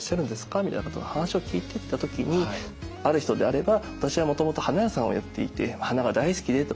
みたいなこと話を聞いていった時にある人であれば「私はもともと花屋さんをやっていて花が大好きで」とか。